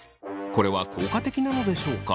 これは効果的なのでしょうか。